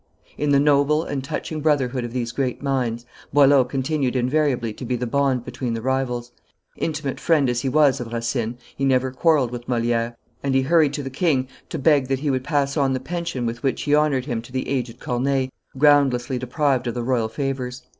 In the noble and touching brotherhood of these great minds, Boileau continued invariably to be the bond between the rivals; intimate friend as he was of Racine, he never quarrelled with Moliere, and he hurried to the king to beg that he would pass on the pension with which he honored him to the aged Corneille, groundlessly deprived of the royal favors.